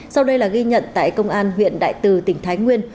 sau đây là ghi nhận tại công an huyện đại từ tỉnh thái nguyên